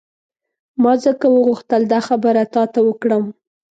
ما ځکه وغوښتل دا خبره تا ته وکړم.